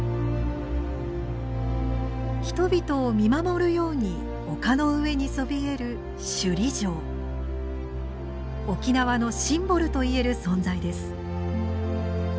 人々を見守るように丘の上にそびえる沖縄のシンボルといえる存在です。